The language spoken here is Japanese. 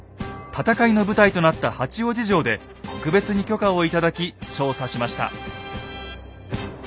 戦いの舞台となった八王子城で特別に許可を頂き調査しました。